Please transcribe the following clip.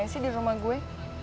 lo ngapain sih di rumah gue